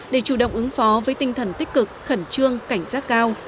để chủ động ứng phó với tinh thần tích cực khẩn trương cảnh giác cao